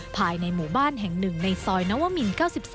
ภายในหมู่บ้านแห่ง๑ในซอยนวมิน๙๓